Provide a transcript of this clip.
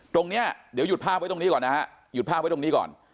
ตรงนี้เดี๋ยวหยุดภาพไว้ตรงนี้ก่อน